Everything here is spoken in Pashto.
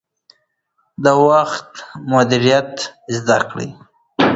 د وخت مدیریت زده کړئ.